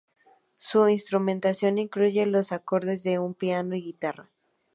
Su instrumentación incluye los acordes de un piano y guitarra.